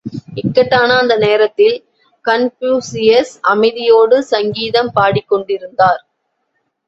இக்கட்டான அந்த நேரத்தில், கன்பூசியஸ் அமைதியோடு சங்கீதம் பாடிக்கொண்டிருந்தார்.